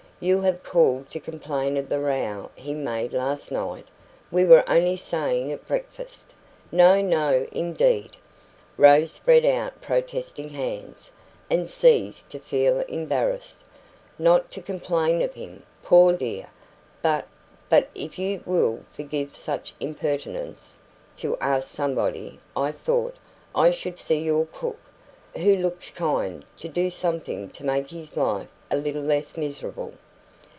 "You have called to complain of the row he made last night. We were only saying at breakfast " "No, no, indeed!" Rose spread out protesting hands, and ceased to feel embarrassed. "Not to complain of him, poor dear, but but if you will forgive such impertinence, to ask somebody I thought I should see your cook, who looks kind to do something to make his life a little less miserable."